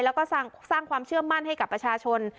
แล้วก็สร้างความเชื่อมั่นให้กับประชาชน